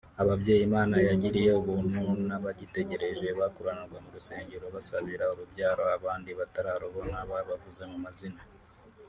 ababyeyi Imana yagiriye ubuntu n’abagitegereje bakuranwaga mu gusenga basabira urubyaro abandi batararubona babavuze mu mazina